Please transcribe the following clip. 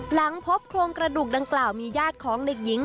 หลังพบโครงกระดูกดังกล่าวมีญาติของเด็กหญิง